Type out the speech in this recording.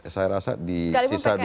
saya rasa di sisa dua puluh lima hari